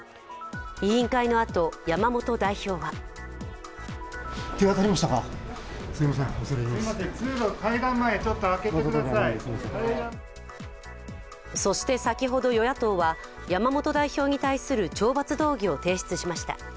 委員会のあと、山本代表はそして先ほど与野党は山本代表に対する懲罰道後を提出しました。